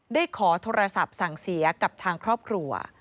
ได้ขอโทรศัพท์สั่งเสียกับทางครอบครัว